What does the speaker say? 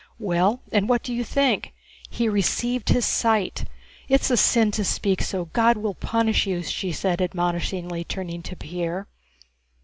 Well, and what do you think? He received his sight! It's a sin to speak so. God will punish you," she said admonishingly, turning to Pierre.